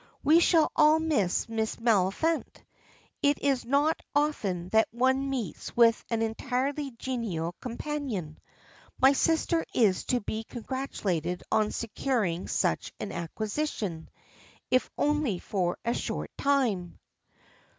"We shall all miss Miss Maliphant. It is not often that one meets with an entirely genial companion. My sister is to be congratulated on securing such an acquisition, if only for a short time."